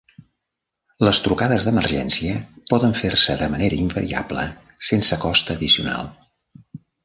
Les trucades d"emergència poden fer-se de manera invariable sense cost addicional.